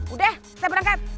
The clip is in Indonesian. udah saya berangkat